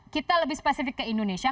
kita lebih spesifik ke indonesia